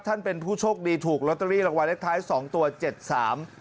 ท่านเป็นผู้โชคดีถูกลอตเตอรี่รางวัลเลขท้ายสองตัวเจ็ดสาม